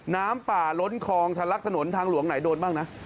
น้ำป่าล้นคลองทะลักถนนทางหลวงไหนโดนบ้างนะ